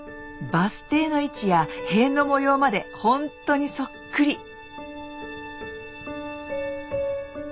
バス停の位置や塀の模様までほんとにそっくり！